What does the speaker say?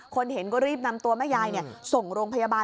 เห็นก็รีบนำตัวแม่ยายส่งโรงพยาบาล